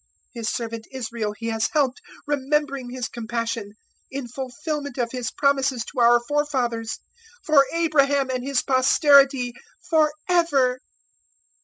001:054 His servant Israel He has helped, Remembering His compassion 001:055 In fulfillment of His promises to our forefathers For Abraham and his posterity for ever."